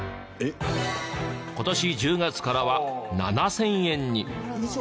今年１０月からは７０００円に。